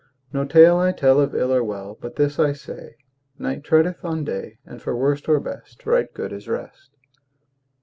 No tale I tell Of ill or well, But this I say: Night treadeth on day, And for worst or best Right good is rest.